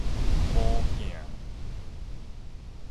魔鏡